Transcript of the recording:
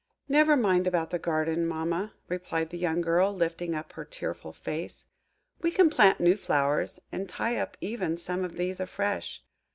"Never mind about the garden, mamma," replied the young girl, lifting up her tearful face; "we can plant new flowers, and tie up even some of these afresh.